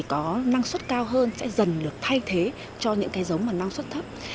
có năng suất cao hơn sẽ dần được thay thế cho những giống năng suất thấp